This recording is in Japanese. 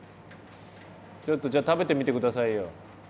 ちょっとじゃあ食べてみてくださいよ。